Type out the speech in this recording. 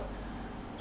sẽ phát biểu